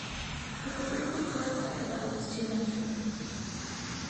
But the Brinkley Court fire bell was too much for me.